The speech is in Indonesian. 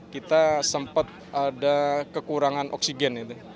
kita sempat ada kekurangan oksigen